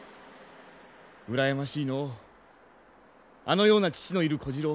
羨ましいのうあのような父のいる小次郎。